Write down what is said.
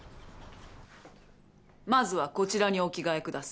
まずはこちらにお着替えください。